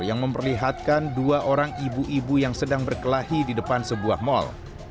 yang memperlihatkan dua orang ibu ibu yang sedang berkelahi di depan sebuah mal